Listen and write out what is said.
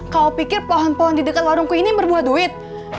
kau pikir pohon pohon di dekat warungku ini berbuat duit